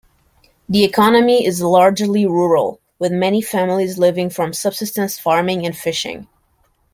The economy is largely rural, with many families living from subsistence farming and fishing.